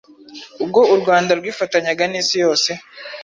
Ubwo u Rwanda rwifatanyaga n’isi yose